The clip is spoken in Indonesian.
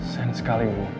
sayang sekali ibu